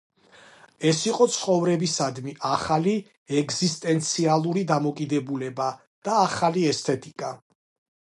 ეს იყო ცხოვრებისადმი ახალი ეგზისტენციალური დამოკიდებულება და ახალი ესთეტიკა.